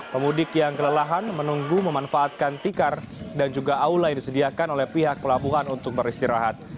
pemudik yang kelelahan menunggu memanfaatkan tikar dan juga aula yang disediakan oleh pihak pelabuhan untuk beristirahat